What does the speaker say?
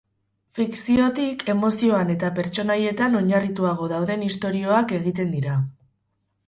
Fikziotik, emozioan eta pertsonaietan oinarrituago dauden istorioak egiten dira.